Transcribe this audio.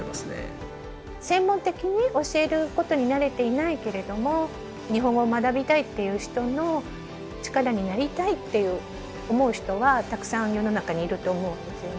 専門的に教えることに慣れていないけれども日本語を学びたいっていう人の力になりたいって思う人はたくさん世の中にいると思うんですよね。